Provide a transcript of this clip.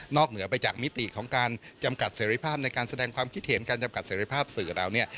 เหนือไปจากมิติของการจำกัดเสรีภาพในการแสดงความคิดเห็นการจำกัดเสร็จภาพสื่อเราเนี่ย